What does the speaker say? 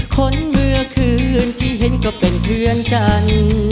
คนเมื่อคืนที่เห็นก็เป็นเพื่อนกัน